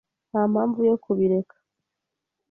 Ntampamvu yo kubireka.